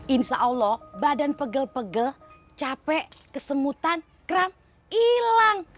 insya allah badan pegel pegel capek kesemutan kram hilang